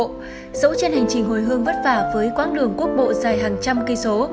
dẫu trên hành trình hồi hương vất vả với quãng đường quốc bộ dài hàng trăm kỳ số